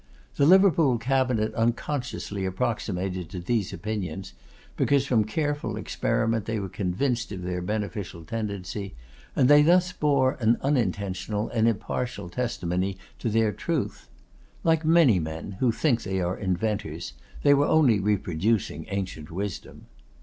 The Liverpool Cabinet unconsciously approximated to these opinions, because from careful experiment they were convinced of their beneficial tendency, and they thus bore an unintentional and impartial testimony to their truth. Like many men, who think they are inventors, they were only reproducing ancient wisdom.